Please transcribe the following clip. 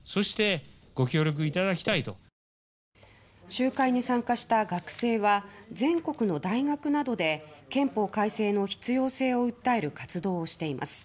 集会に参加した学生は全国の大学などで憲法改正の必要性を訴える活動をしています。